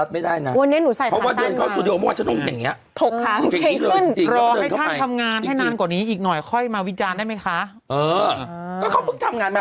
ทายไปโปรบิตและอวัยวะเพชรสั้นลงบ้างฮะ